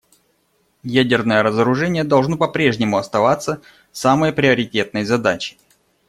Ядерное разоружение должно по-прежнему оставаться самой приоритетной задачей.